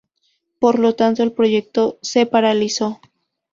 Por lo tanto, el proyecto se paralizó.